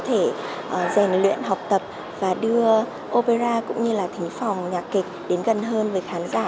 thể rèn luyện học tập và đưa opera cũng như là thính phòng nhạc kịch đến gần hơn với khán giả